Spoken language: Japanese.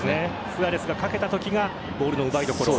スアレスがかけたときがボールの奪いどころ。